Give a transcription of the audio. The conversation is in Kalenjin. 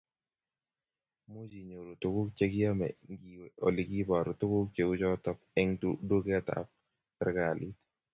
Much inyoru tuguk chekiame ngiwe ole kibaru tuguk cheuchotok eng duket tab serikali